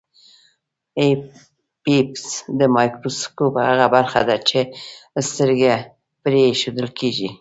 آی پیس د مایکروسکوپ هغه برخه ده چې سترګه پرې ایښودل کیږي.